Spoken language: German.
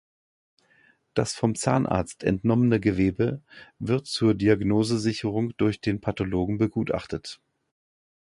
Das vom Zahnarzt entnommene Gewebe wird zur Diagnosesicherung durch den Pathologen begutachtet.